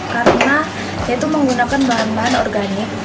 karena itu menggunakan bahan bahan organik